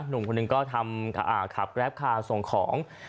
หนุ่มคนหนึ่งก็ทำขับแกรปคาร์ส่งของ